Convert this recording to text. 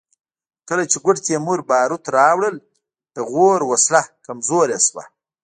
کله چې ګوډ تیمور باروت راوړل د غور وسله کمزورې شوه